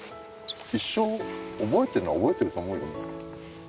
一生覚えてるのは覚えてると思うよ。